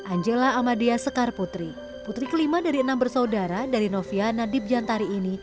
angela ahmadiyah sekar putri putri kelima dari enam bersaudara dari novia nadieb jantari ini